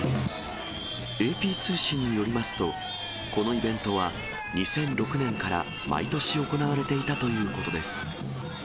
ＡＰ通信によりますと、このイベントは、２００６年から毎年行われていたということです。